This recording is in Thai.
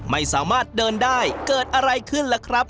ไม่สามารถเดินได้เกิดอะไรขึ้นล่ะครับ